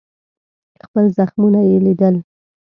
خپل زخمونه یې لیدل.